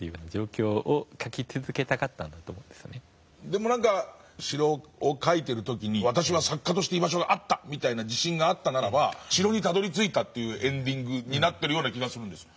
でも「城」を書いている時に「私は作家として居場所があった」みたいな自信があったならば城にたどりついたというエンディングになってるような気がするんです。